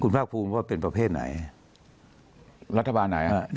ภาคภูมิว่าเป็นประเภทไหนรัฐบาลไหนฮะ